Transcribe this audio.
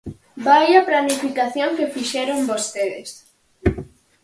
¡Vaia planificación que fixeron vostedes!